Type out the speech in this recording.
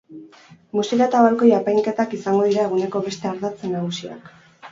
Musika eta balkoi apainketak izango dira eguneko beste ardartz magusiak.